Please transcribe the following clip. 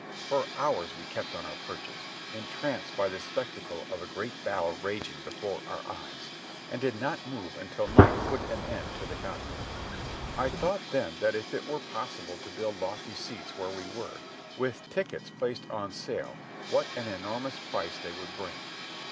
For hours we kept on our perches, entranced by the spectacle of a great battle raging before our eyes, and did not move until night put an end to the conflict. I thought then that if it were possible to build lofty seats where we were, with tickets placed on sale, what an enormous price they would bring.